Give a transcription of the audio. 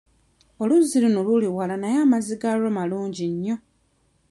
Oluzzi luno luli wala naye amazzi gaalwo malungi nnyo.